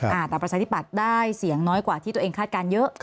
ณประสายที่ปัดได้เสียงน้อยกว่าที่คาดการณ์เยอะ